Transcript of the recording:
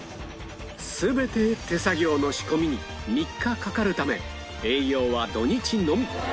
全て手作業の仕込みに３日かかるため営業は土日のみ